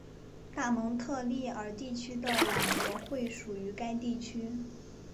大蒙特利尔地区的朗格惠属于该地区。